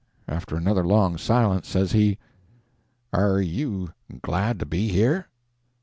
After another long silence, says he— "Are you glad to be here?"